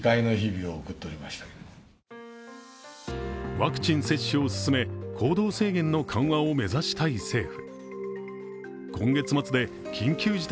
ワクチン接種を進め、行動制限の緩和を目指したい政府。